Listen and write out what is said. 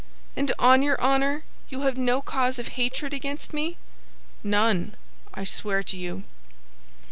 "And on your honor, you have no cause of hatred against me?" "None, I swear to you."